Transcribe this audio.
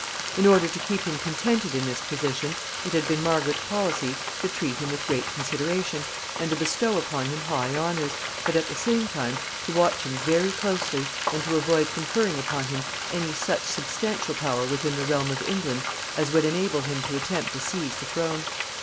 In order to keep him contented in this position, it had been Margaret's policy to treat him with great consideration, and to bestow upon him high honors, but, at the same time, to watch him very closely, and to avoid conferring upon him any such substantial power within the realm of England as would enable him to attempt to seize the throne.